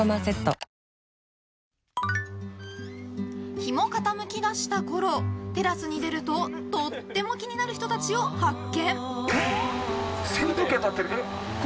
日も傾きだしたころテラスに出るととっても気になる人たちを発見。